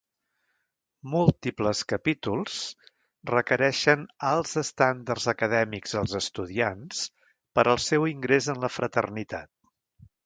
Múltiples capítols requereixen alts estàndards acadèmics als estudiants per al seu ingrés en la fraternitat.